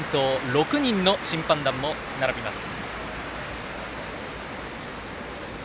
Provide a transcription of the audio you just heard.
６人の審判団も並びます。